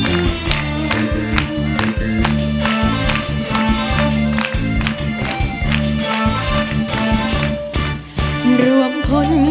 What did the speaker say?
ร่วมพ้นร่วมพ้นร่วมพ้น